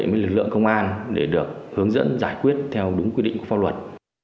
với lực lượng công an để được hướng dẫn giải quyết theo đúng quy định của pháp luật